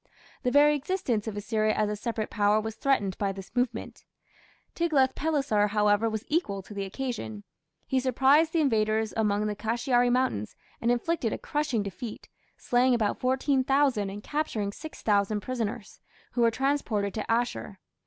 The very existence of Assyria as a separate power was threatened by this movement. Tiglath pileser, however, was equal to the occasion. He surprised the invaders among the Kashiari mountains and inflicted a crushing defeat, slaying about 14,000 and capturing 6000 prisoners, who were transported to Asshur.